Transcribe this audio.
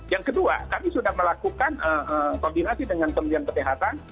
yang kedua kami sudah melakukan koordinasi dengan kementerian kesehatan